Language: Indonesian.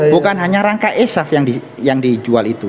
bukan hanya rangka esaf yang dijual itu